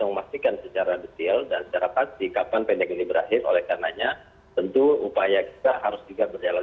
memastikan secara detail dan secara pasti kapan pendek ini berakhir oleh karenanya tentu upaya kita harus juga berjalan